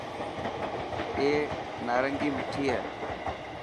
اي نارنگي مٺي هي.